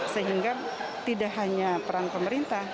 sehingga tidak hanya peran pemerintah